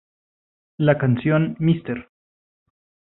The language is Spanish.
La canción "Mr.